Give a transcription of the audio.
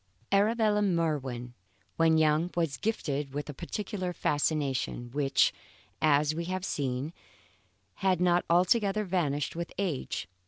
Arabella Merwin, when young, was gifted with a peculiar fascination which, as we have seen, had not altogether vanished with age.